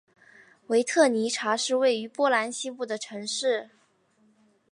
维特尼察是位于波兰西部的城市。